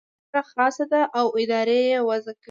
مقرره خاصه ده او اداره یې وضع کوي.